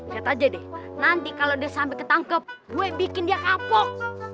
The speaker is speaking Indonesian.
lihat aja deh nanti kalau dia sampai ketangkep gue bikin dia kapok